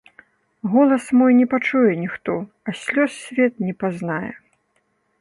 Голас мой не пачуе ніхто, а слёз свет не пазнае.